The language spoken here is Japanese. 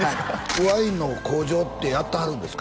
ワインの工場ってやってはるんですか？